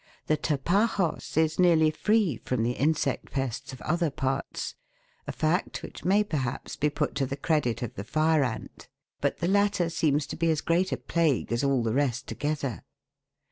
The Tapajos is nearly free from the insect pests of other parts, a fact which may per haps be put to the credit of the fire ant, but the latter seems to be as great a plague as all the rest together.